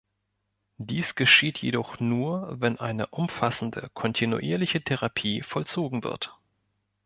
Dies geschieht jedoch nur, wenn eine umfassende, kontinuierliche Therapie vollzogen wird.